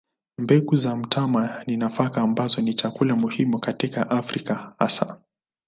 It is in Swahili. Mbegu za mtama ni nafaka ambazo ni chakula muhimu katika Afrika hasa.